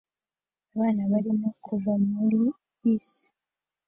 Abana barimo kuva muri bisi